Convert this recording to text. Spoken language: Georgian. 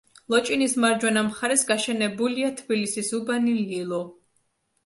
ლოჭინის მარჯვენა მხარეს გაშენებულია თბილისის უბანი ლილო.